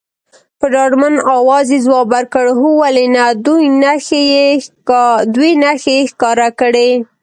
په ډاډمن اواز یې ځواب ورکړ، هو ولې نه، دوې نښې یې ښکاره کړې.